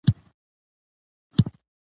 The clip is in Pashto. یو پروګرام یې زده کړی وي.